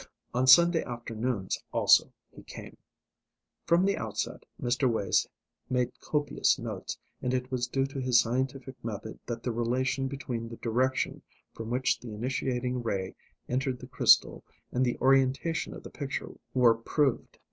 On Sunday afternoons, also, he came. From the outset Mr. Wace made copious notes, and it was due to his scientific method that the relation between the direction from which the initiating ray entered the crystal and the orientation of the picture were proved.